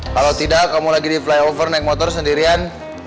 kalau tidak kamu lagi di flyover naik motor sendirian